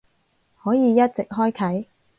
可以一直開啟